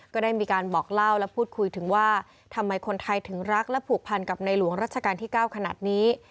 ก็ได้มีการบอกเล่าและพูดคุยถึงว่าทำไมคนไทยถึงรักและผูกพันกับในหลวงรัชกาลที่๙ขนาดนี้